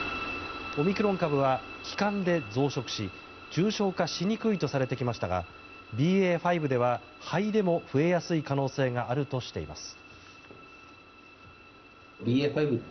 オミクロン株は気管で増殖し重症化しにくいとされてきましたがＢＡ．５では肺でも増えやすい可能性があるとしています。